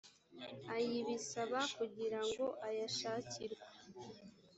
ayibisaba kugira ngo ayashakirwa